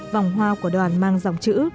vòng hoa của đoàn mang dòng chữ